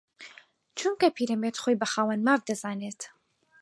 چونکە پیرەمێرد خۆی بە خاوەن ماف دەزانێت